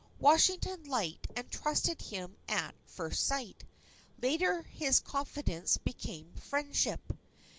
Washington liked and trusted him at first sight. Later his confidence became friendship.